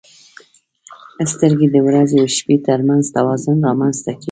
• سترګې د ورځې او شپې ترمنځ توازن رامنځته کوي.